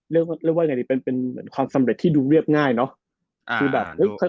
เรียกว่าเป็นเป็นความสำเร็จที่ดูเรียบง่ายเนาะ